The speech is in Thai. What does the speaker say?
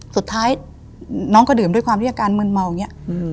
สุดท้ายน้องก็ดื่มด้วยความที่อาการมืนเมาอย่างนี้